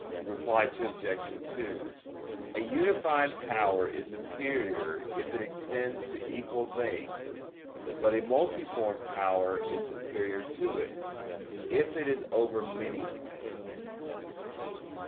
Reply Obj. 2: A unified power is superior if it extends to equal things: but a multiform power is superior to it, if it is over many things.